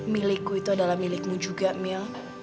milikku itu adalah milikmu juga mil